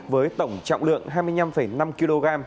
với tổng trọng lượng hai mươi năm năm kg